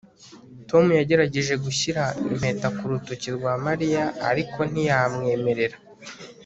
tom yagerageje gushyira impeta ku rutoki rwa mariya, ariko ntiyamwemerera